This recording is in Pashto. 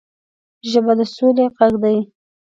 ژبه د سولې غږ دی